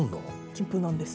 金粉なんです。